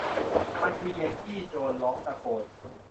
มันคือแยงกี้ โจนร้องตะโกน